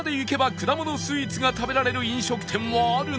くだものスイーツが食べられる飲食店はあるのか？